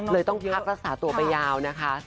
ต้องพักรักษาตัวไปยาวนะคะ